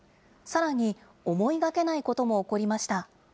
さらに、思いがけないことも起こりました。